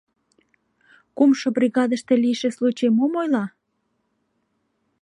— Кумшо бригадыште лийше случай мом ойла?